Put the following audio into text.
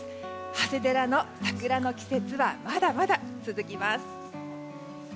長谷寺の桜の季節はまだまだ続きます。